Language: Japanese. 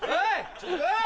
ちょっと来い！